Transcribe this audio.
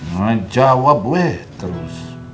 nggak jawab weh terus